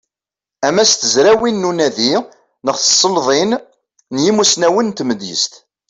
Ama s tezrawin n unadi neɣ s tselḍin n yimussnawen n tmedyazt.